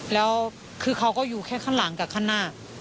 แล้วคือเขาก็อยู่แค่ข้างหลังกับข้างหน้า